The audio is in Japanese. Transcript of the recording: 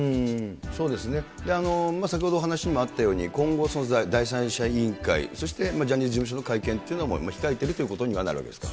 そうですね、先ほどお話にもあったように、今後、第三者委員会、そしてジャニーズ事務所の会見というのも控えてるということにはなるわけですか。